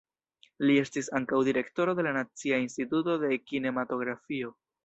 Li estis ankaŭ direktoro de la Nacia Instituto de Kinematografio.